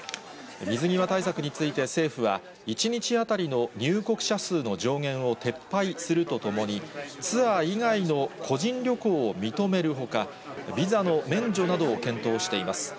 水際対策について政府は、１日当たりの入国者数の上限を撤廃するとともに、ツアー以外の個人旅行を認めるほか、ビザの免除などを検討しています。